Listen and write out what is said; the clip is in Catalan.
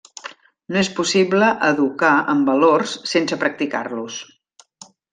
No és possible educar en valors sense practicar-los.